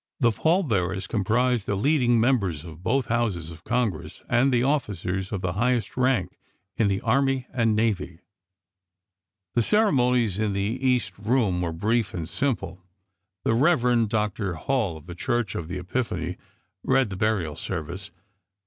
The pall bearers comprised the leading members of both Houses of Congress and the officers of the highest rank in the army and navy. The ceremonies in the east room were brief and simple. The Rev. Dr. Hall of the Church of the Epiphany read the burial service.